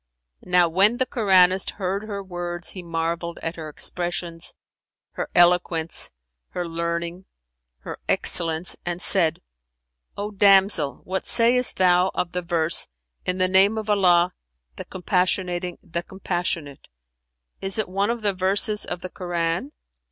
"[FN#365] Now when the Koranist heard her words he marvelled at her expressions, her eloquence, her learning, her excellence, and said, "O damsel, what sayst thou of the verse 'In the name of Allah, the Compassionating, the Compassionate'? Is it one of the verses of the Koran?"